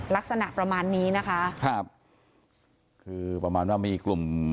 ลักษณะประมาณนี้นะคะครับคือประมาณว่ามีกลุ่ม